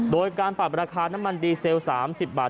โดยการปรับราคาน้ำมันดีเซล๓๐บาท